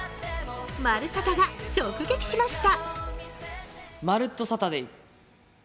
「まるサタ」が直撃しました。